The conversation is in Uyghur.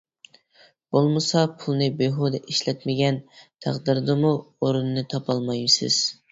بولمىسا پۇلنى بىھۇدە ئىشلەتمىگەن تەقدىردىمۇ ئورنىنى تاپالمايسىز.